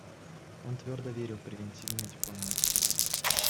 Он твердо верил в превентивную дипломатию.